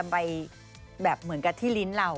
ไปยังกลัดที่ลิ้นเรา